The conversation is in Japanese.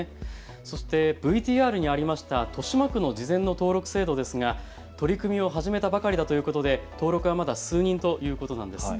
そしてＶＴＲにありました豊島区の事前の登録制度ですが取り組みを始めたばかりだということで登録がまだ数人ということなんです。